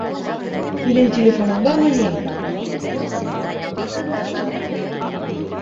Һинең телефоның бармы ни?